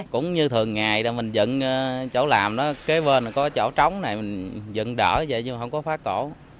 cũng như thường ngày mình dựng chỗ làm đó kế bên có chỗ trống này mình dựng đỡ vậy nhưng mà không có phá cổ